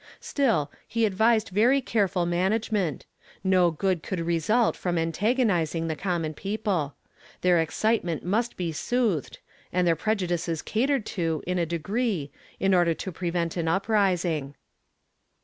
Still, he advised very careful management; no good could result from antagonizing the common people. Their excitement must be soothed, and their prejudices catered to in a degree, in order to prevent an uprising.